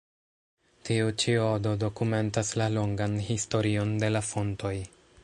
Tiu ĉi odo dokumentas la longan historion de la fontoj.